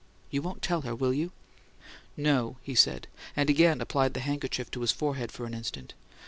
You won't tell her, will you?" "No," he said, and again applied the handkerchief to his forehead for an instant.